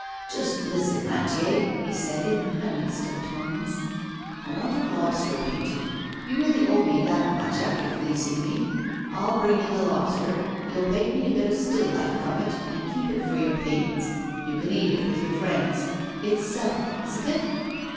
'Just listen, Lantier,' he said, in the honeyest of tones; 'I want a lobster painted. You really owe me that much after fleecing me. I'll bring you the lobster, you'll paint me a bit of still life from it, and keep it for your pains. You can eat it with your friends. It's settled, isn't it?